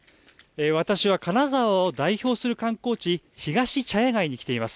私は金沢を代表する観光地、ひがし茶屋街に来ています。